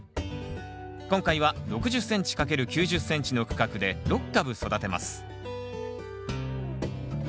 今回は６０ｃｍ×９０ｃｍの区画で６株育てます